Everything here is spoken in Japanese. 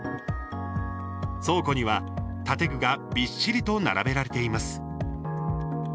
倉庫には建具がびっしりと並べられています。